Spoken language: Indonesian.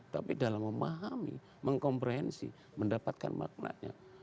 tapi dalam memahami mengkomprehensi mendapatkan maknanya